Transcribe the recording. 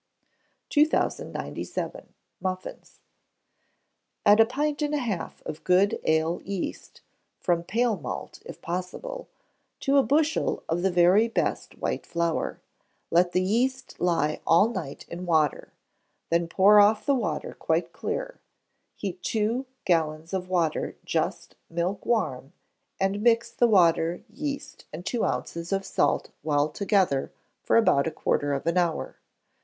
] 2097. Muffins. Add a pint and a half of good ale yeast (from pale malt, if possible) to a bushel of the very best white flour; let the yeast lie all night in water, then pour off the water quite clear; heat two gallons of water just milk warm, and mix the water, yeast, and two ounces of salt well together for about a quarter of an hour.